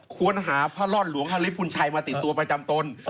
ควรหาพระรอดหลวงฮาริพุนชัยมาติดตัวประจำตน